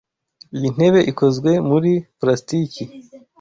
Iyi ntebe ikozwe muri plastiki.